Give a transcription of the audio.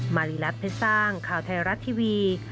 มารีรัฐเพชรสร้างข่าวไทยรัฐทีวี